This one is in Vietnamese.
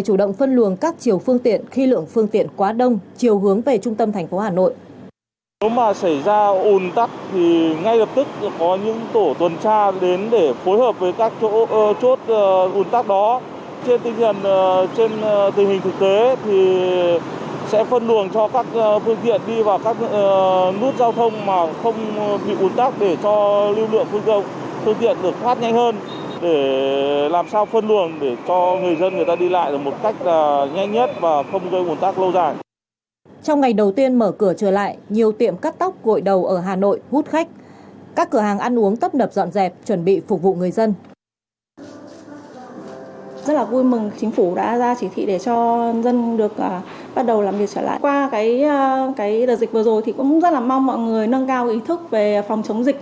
qua cái đợt dịch vừa rồi thì cũng rất là mong mọi người nâng cao ý thức về phòng chống dịch